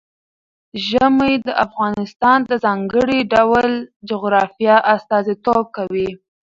ژمی د افغانستان د ځانګړي ډول جغرافیه استازیتوب کوي.